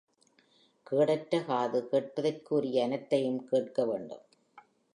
கேடற்ற காது, கேட்பதற்கு உரிய அனைத்தையும் கேட்கவேண்டும்.